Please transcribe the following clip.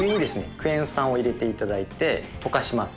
クエン酸を入れて頂いて溶かします。